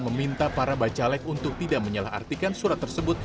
meminta para bacalek untuk tidak menyalah artikan surat tersebut